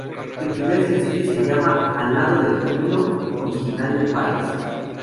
El primer sencillo se llama ""Al Lado del Camino"", original de Páez.